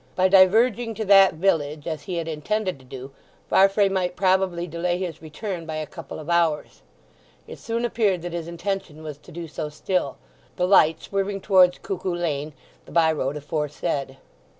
By diverging to that village, as he had intended to do, Farfrae might probably delay his return by a couple of hours. It soon appeared that his intention was to do so still, the light swerving towards Cuckoo Lane, the by road aforesaid.